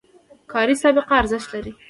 کاري سابقه ارزښت لري